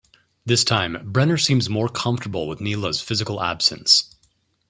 This time Brenner seems more comfortable with Neela's physical absence.